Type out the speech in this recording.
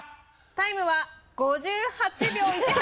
タイムは５８秒１８。